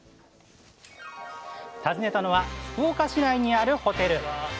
訪ねたのは福岡市内にあるホテル